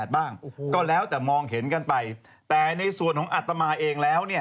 บ้างก็แล้วแต่มองเห็นกันไปแต่ในส่วนของอัตมาเองแล้วเนี่ย